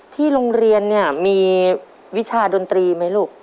ที่โรงเรียนเนี่ยมีวิชาดนตรีไหมลูก